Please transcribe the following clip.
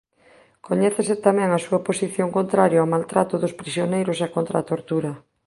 Coñécese tamén a súa posición contraria ao maltrato dos prisioneiros e contra a tortura.